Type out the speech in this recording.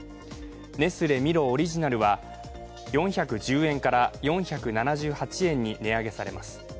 ネスレミロオリジナルは４１０円から４７８円に値上げされます。